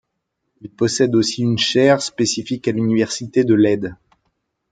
Il possède aussi une chaire spécifique à l'Université de Leyde.